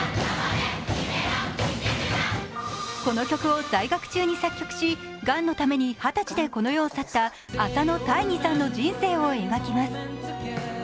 この曲を在学中に作曲し、がんのために二十歳でこの世を去った浅野大義さんの人生を描きます。